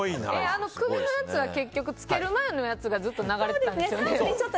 あの首のやつは結局、着ける前のが流れてたんですよね。